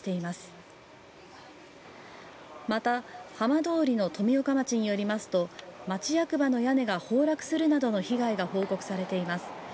また浜通りの富岡町によりますと町役場の屋根が崩落するなどの被害が報告されています。